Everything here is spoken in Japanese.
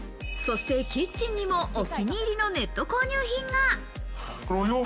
そしてキッチンにも、お気に入りのネット購入品が。